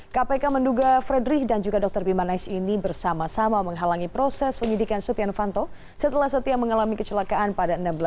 kpk menduga fredrich dan juga dr bimanesh ini bersama sama menghalangi proses penyidikan setia novanto setelah setia mengalami kecelakaan pada enam belas november dua ribu tujuh belas